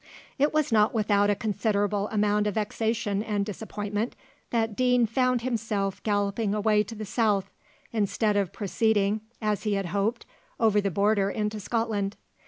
It was not without a considerable amount of vexation and disappointment that Deane found himself galloping away to the south, instead of proceeding, as he had hoped, over the border into Scotland.